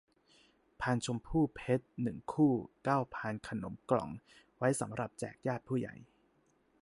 พานชมพู่เพชร หนึ่ง คู่ เก้า พานขนมกล่อง ไว้สำหรับแจกญาติผู้ใหญ่